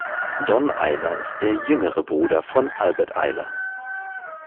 Don Ayler ist der jüngere Bruder von Albert Ayler.